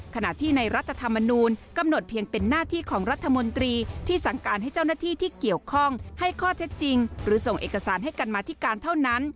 ขณะที่ในรัฐธรรมนูลกำหนดเพียงเป็นหน้าที่ของรัฐมนตรีที่สั่งการให้เจ้าหน้าที่ที่เกี่ยวข้องให้ข้อเท็จจริงหรือส่งเอกสารให้กันมาธิการเท่านั้น